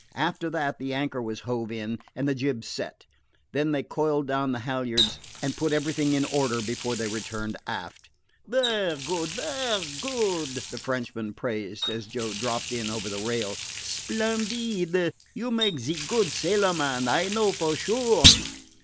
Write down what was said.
After that the anchor was hove in and the jib set. Then they coiled down the halyards and put everything in order before they returned aft. "Vaire good, vaire good," the Frenchman praised, as Joe dropped in over the rail. "Splendeed! You make ze good sailorman, I know for sure."